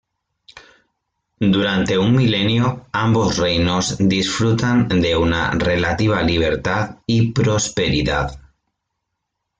Durante un milenio ambos reinos disfrutan de una relativa libertad y prosperidad.